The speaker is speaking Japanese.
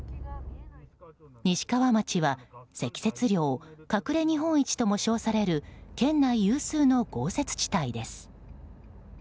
西川町は積雪量隠れ日本一とも称される県内有数の豪雪地帯です。